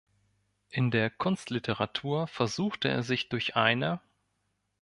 In der Kunstliteratur versuchte er sich durch eine